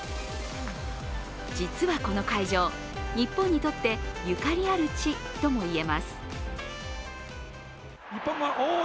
実はこの会場、日本にとってゆかりある地ともいえます。